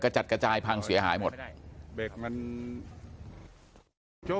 ลงมาผมบีบไม่อยู่แล้ว